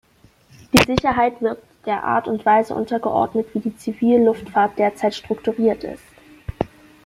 Die Sicherheit wird der Art und Weise untergeordnet, wie die Zivilluftfahrt derzeit strukturiert ist.